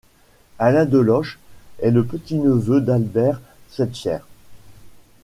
Alain Deloche est le petit-neveu d'Albert Schweitzer.